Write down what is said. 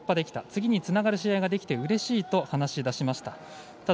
次につながる試合ができてうれしいと話し出しました。